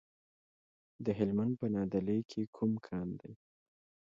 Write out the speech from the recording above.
د هلمند په نادعلي کې کوم کان دی؟